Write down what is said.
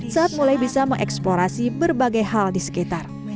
saat mulai bisa mengeksplorasi berbagai hal di sekitar